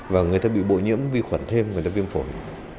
và người ta bị bội nhiễm vi khuẩn thêm người ta viêm phổi